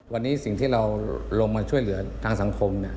วันนี้สิ่งที่เราลงมาช่วยเหลือทางสังคมเนี่ย